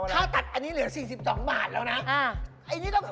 ค่าตัดอันนี้เหลือ๔๒บาทแล้วนะ